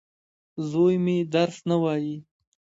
زوی مي درس نه وايي.